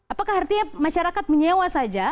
apakah artinya masyarakat menyewa saja